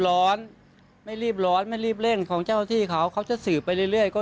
ร้อนไม่รีบร้อนไม่รีบเล่นของเจ้าที่เขาเขาจะสืบไปเรื่อยก็